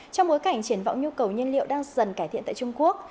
trong bối cảnh triển vọng nhu cầu nhân liệu đang dần cải thiện tại trung quốc